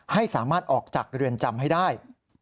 ให้สามารถออกจากเรือนจำให้ได้